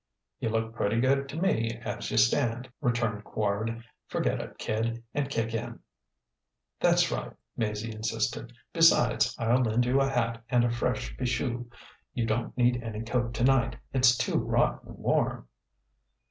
"You look pretty good to me as you stand," returned Quard. "Forget it, kid, and kick in." "That's right," Maizie insisted. "Besides, I'll lend you a hat and a fresh fichu; you don't need any coat tonight, it's too rotten warm."